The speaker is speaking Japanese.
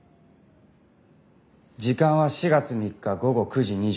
時間は４月３日午後９時２７分。